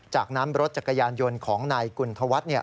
จากนั้นรถจักรยานยนต์ของนายกุณฑวัฒน์